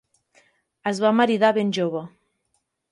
Es va maridar ben jove.